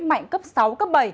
mạnh cấp sáu bảy